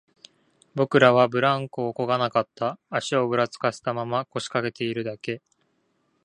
僕らはブランコをこがなかった、足をぶらつかせたまま、腰掛けているだけ